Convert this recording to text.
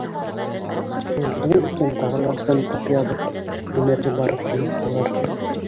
Муйылдың өҫтөн тағы ла ҡымтып ябып, Үмәрҙе барып уяттылар.